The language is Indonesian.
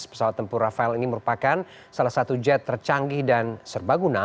pesawat tempur rafael ini merupakan salah satu jet tercanggih dan serbaguna